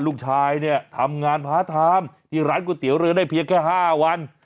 ลูกชายเนี่ยทำงานพาไทม์ที่ร้านก๋วยเตี๋ยวเรือได้เพียงแค่๕วัน